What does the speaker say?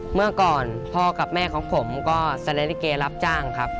เมื่อก่อนพ่อกับแม่ของผมก็แสดงลิเกย์รับจ้างครับ